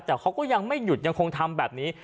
แต่เขาก็ยังไม่หยุดยังคงทำแบบนี้